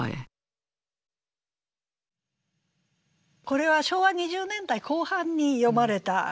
これは昭和２０年代後半に詠まれた歌です。